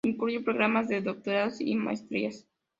Incluye programas de doctorados y maestrías.